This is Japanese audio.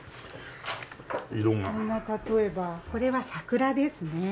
例えばこれは桜ですね。